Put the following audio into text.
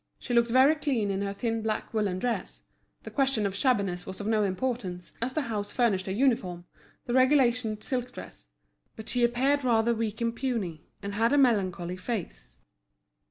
She looked very clean in her thin black woollen dress; the question of shabbiness was of no importance, as the house furnished a uniform, the regulation silk dress; but she appeared rather weak and puny, and had a melancholy face.